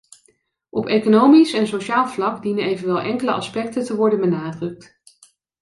Op economisch en sociaal vlak dienen evenwel enkele aspecten te worden benadrukt.